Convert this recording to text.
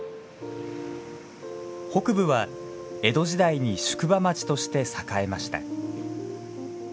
北部は江戸時代に宿場町として栄えました。